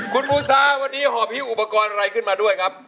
คุณหมูสาร์วันนี้หอพีอุปกรณ์อะไรขึ้นมาด้วยครับ